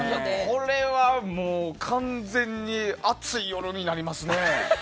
これは完全に熱い夜になりますね。